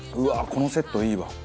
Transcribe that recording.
このセットいいわ。